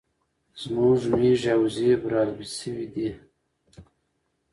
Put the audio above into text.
زموږ ميږي او وزې برالبې شوې دي